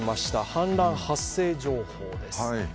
氾濫発生情報です。